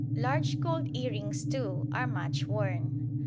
Large gold earrings, too, are much worn.